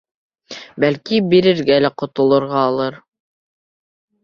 Бәлки, бирергә лә ҡотолорғалыр?